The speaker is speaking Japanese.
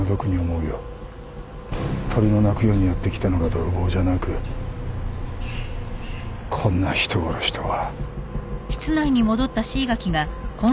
鳥の鳴く夜にやって来たのが泥棒じゃなくこんな人殺しとは。